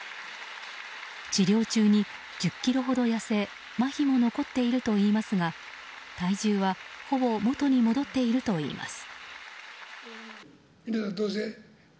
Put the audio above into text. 治療中に１０ｋｇほど痩せまひも残っているといいますが体重はほぼ元に戻っているといいます。